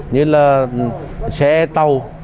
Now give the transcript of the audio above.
như là xe tàu